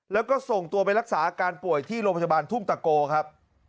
แล้วก็ส่งตัวไปรักษาอาการป่วยที่โรงพยาบาลทุ่งตะโกครับ